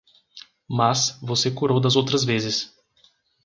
Mas, você curou das outras vezes.